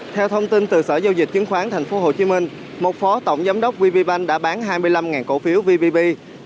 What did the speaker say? theo thông tin từ sở giao dịch chứng khoán tp hcm một phó tổng giám đốc vb bank đã bán hai mươi năm cổ phiếu vb bank